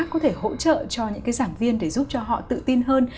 có thể hỗ trợ cho những cái giảng viên để giúp cho họ tự tin hơn